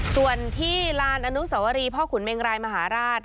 ส่วนที่ลานอนุสวรีพ่อขุนเมงรายมหาราช